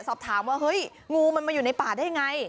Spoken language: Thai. สอบถามว่าเฮ้ยงูมันมาอยู่ในป่าได้ไง